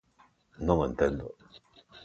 Non o entendo.